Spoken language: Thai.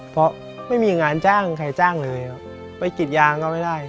เพราะไม่มีงานจ้างใครจ้างเลยครับไปกรีดยางก็ไม่ได้